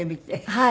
はい。